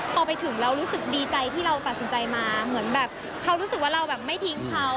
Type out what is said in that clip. พอไปถึงเรารู้สึกดีใจที่เราตัดสินใจมาเหมือนแบบเขารู้สึกว่าเราแบบไม่ทิ้งเขา